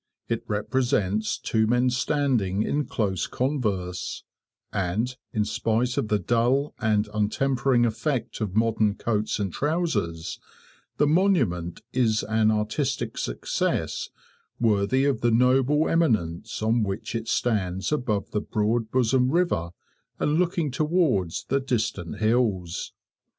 It represents two men standing in close converse; and, in spite of the dull and untempering effect of modern coats and trousers, the monument is an artistic success worthy of the noble eminence on which it stands above the broad bosomed river and looking towards the distant hills.